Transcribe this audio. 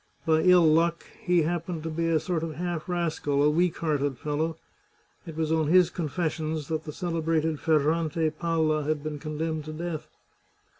By ill luck he happened to be a sort of half rascal, a weak hearted fellow. It was on his confessions that the celebrated Ferrante Palla had been condemned to death.